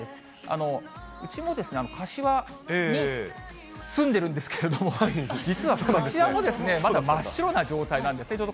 うちも、柏に住んでるんですけれども、実は柏もまだ真っ白な状態なんですね。